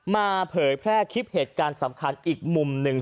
เผยแพร่คลิปเหตุการณ์สำคัญอีกมุมหนึ่ง